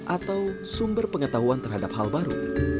atau sumber pengetahuan terhadap hal baru